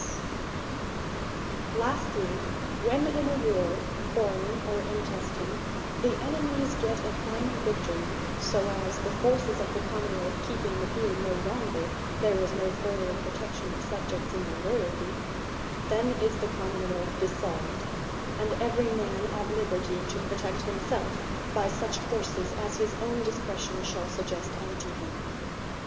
Dissolution Of The Common wealth Lastly, when in a warre (forraign, or intestine,) the enemies got a final Victory; so as (the forces of the Common wealth keeping the field no longer) there is no farther protection of Subjects in their loyalty; then is the Common wealth DISSOLVED, and every man at liberty to protect himselfe by such courses as his own discretion shall suggest unto him.